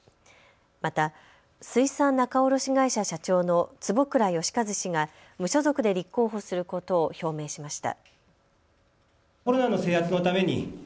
また水産仲卸会社社長の坪倉良和氏が無所属で立候補することを表明しました。